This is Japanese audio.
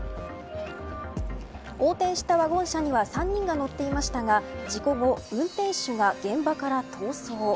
横転したワゴン車には３人が乗っていましたが事故後、運転手が現場から逃走。